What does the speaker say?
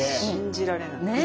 信じられない。